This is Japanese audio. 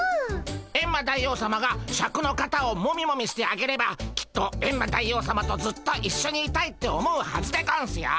エンマ大王さまがシャクの肩をモミモミしてあげればきっとエンマ大王さまとずっといっしょにいたいって思うはずでゴンスよ。